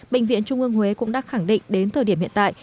bệnh viện trung ương huế cũng đã khẳng định đến thời điểm hiện tại